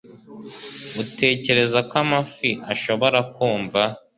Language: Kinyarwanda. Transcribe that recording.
utekereza ko amafi ashobora kumva